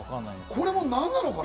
これも何なのかね？